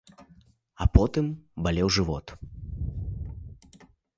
А потым балеў жывот.